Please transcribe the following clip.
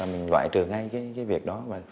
mình loại trừ ngay việc đó